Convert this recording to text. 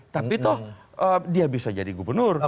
tapi toh dia bisa jadi gubernur